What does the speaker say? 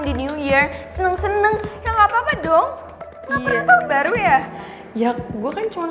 di new year seneng seneng nggak apa apa dong ngapain baru ya ya gua kan cuman